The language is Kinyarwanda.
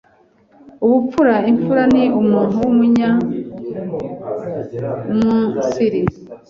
Ubupfura Imfura ni umuntu w’umunyaumunsiri